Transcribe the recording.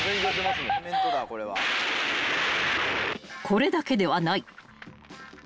［これだけではない］